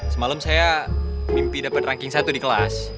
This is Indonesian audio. semalam saya mimpi dapat ranking satu di kelas